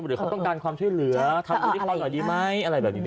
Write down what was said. หรือเขาต้องการความช่วยเหลือทำพิธีกรหน่อยดีไหมอะไรแบบนี้